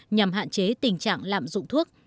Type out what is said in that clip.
nhằm hạn chế tình trạng lạm dụng thuốc